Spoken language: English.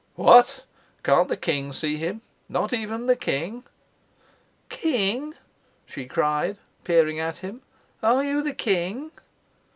"What, can't the king see him? Not even the king?" "King!" she cried, peering at him. "Are you the king?"